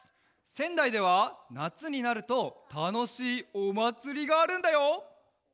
せんだいではなつになるとたのしいおまつりがあるんだよ！